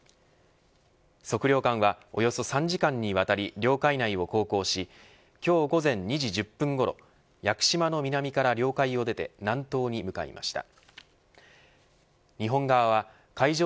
測量艦はおよそ３時間にわたり領海内を航行し今日午前２時１０分ごろ屋久島の南から領海を出て南東に向かいました。